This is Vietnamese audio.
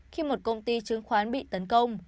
khi một công ty chứng khoán bị tấn công